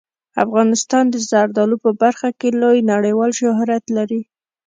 افغانستان د زردالو په برخه کې لوی نړیوال شهرت لري.